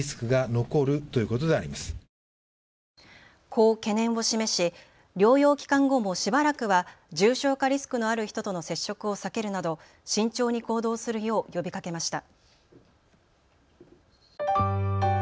こう懸念を示し療養期間後もしばらくは重症化リスクのある人との接触を避けるなど慎重に行動するよう呼びかけました。